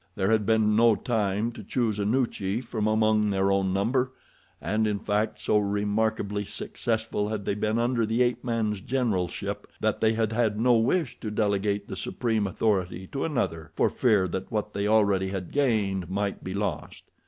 There had been no time to choose a new chief from among their own number, and, in fact, so remarkably successful had they been under the ape man's generalship that they had had no wish to delegate the supreme authority to another for fear that what they already had gained might be lost.